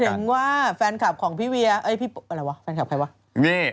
ถึงว่าแฟนคลับของพี่เวียพี่อะไรวะแฟนคลับใครวะ